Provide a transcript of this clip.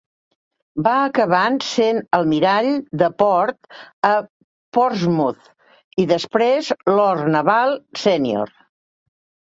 Va acabar sent Almirall de port a Portsmouth i després Lord Naval Sènior.